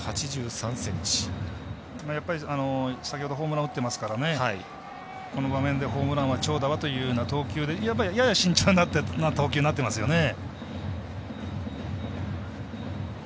先ほどホームラン打ってますからこの場面でホームランは長打はというような投球でやや慎重な投球になってますよね。